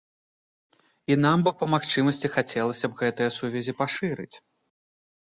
І нам бы па магчымасці хацелася б гэтыя сувязі пашырыць.